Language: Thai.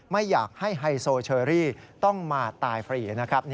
ไม่อยากให้ไฮโซเชอรี่ต้องมาตายฟรีนะครับ